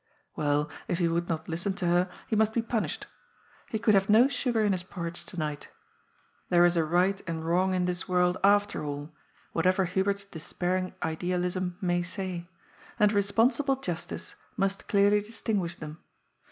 Well, if he would not listen to her, he must be punished. He could have no sugar in his porridge to night There is a right and wrong in this world, after all, whatever Hubert's despairing idealism may say, and responsible Justice must clearly distinguish them.